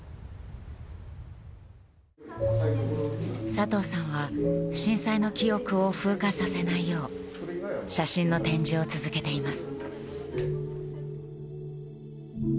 佐藤さんは震災の記憶を風化させないよう写真の展示を続けています。